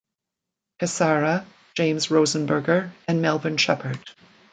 Cassara, James Rosenberger and Melvin Sheppard.